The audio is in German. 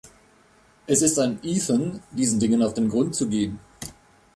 Es ist an Ethan, diesen Dingen auf den Grund zu gehen.